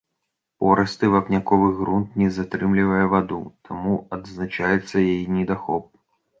Порысты вапняковы грунт не затрымлівае ваду, таму адзначаецца яе недахоп.